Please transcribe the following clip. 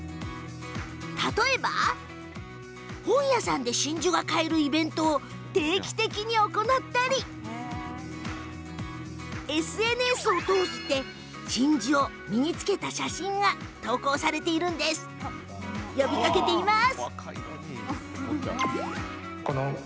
例えば、本屋さんで真珠が買えるイベントを定期的に行ったりＳＮＳを通して真珠を身につけた写真の投稿を呼びかけています。